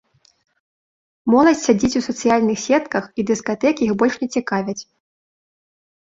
Моладзь сядзіць у сацыяльных сетках і дыскатэкі іх больш не цікавяць.